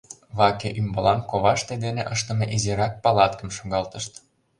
Ваке ӱмбалан коваште дене ыштыме изирак палаткым шогалтышт.